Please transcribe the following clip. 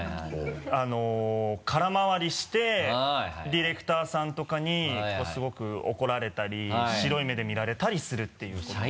ディレクターさんとかにすごく怒られたり白い目で見られたりするっていうことが。